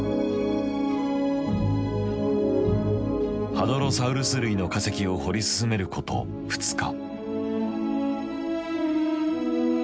ハドロサウルス類の化石を掘り進めること２日。